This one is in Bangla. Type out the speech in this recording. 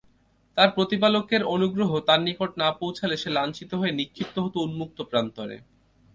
তার প্রতিপালকের অনুগ্রহ তার নিকট না পৌঁছলে সে লাঞ্ছিত হয়ে নিক্ষিপ্ত হত উন্মুক্ত প্রান্তরে।